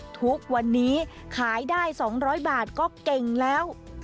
ทุกวันนี้ขายได้๒๐๐บาทก็เก่งแล้ว